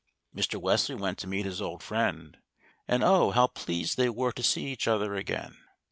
Mr. Wesley went to meet his old friend, and, oh! how pleased they were to see each other again.